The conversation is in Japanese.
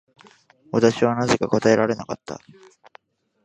私はなぜか答えられなかった。